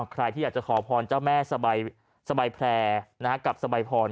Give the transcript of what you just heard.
ใครที่อยากจะขอพรเจ้าแม่สบายแพร่กับสบายพร